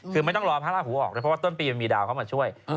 คือไม่ต้องรอพระราหูออกเลยเพราะว่าต้นปีมันมีดาวเข้ามาช่วย